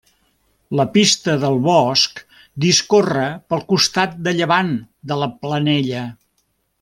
La Pista del Bosc discorre pel costat de llevant de la Planella.